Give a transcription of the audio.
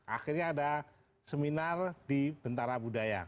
akhirnya ada seminar di bentara budaya